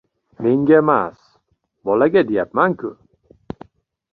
— Mengamas, bolaga deyapman-ku.